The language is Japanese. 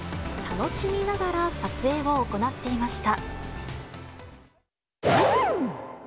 楽しみながら撮影を行っていました。